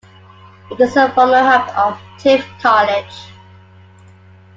It is the former home of Tift College.